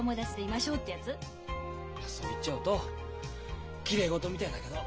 そう言っちゃうときれい事みたいだけど。